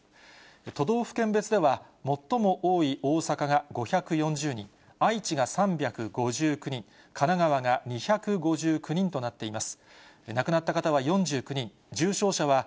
都道府県別では、最も多い大阪が５４０人、愛知が３５９人、神奈川が２５９人となっています。